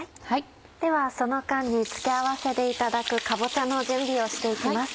ではその間に付け合わせでいただくかぼちゃの準備をして行きます。